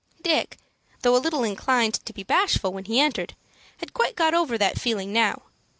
Dick, though a little inclined to be bashful when he entered, had quite got over that feeling now.